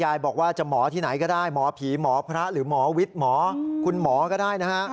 บอกว่าจะหมอที่ไหนก็ได้หมอผีหมอพระหรือหมอวิทย์หมอคุณหมอก็ได้นะฮะ